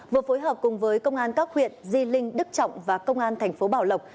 vừa phối hợp cùng với công an các huyện di linh đức trọng và công an thành phố bảo lộc